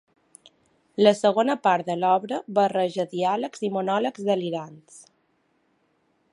La segona part de l’obra barreja diàlegs i monòlegs delirants.